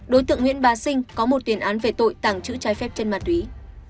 đối tượng nguyễn bá sinh có một tiền án về tội tẳng chữ chai phép chân mặt túy